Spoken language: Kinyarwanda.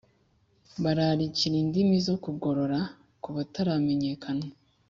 bararikira indimi zo kugorora kubataramenyekana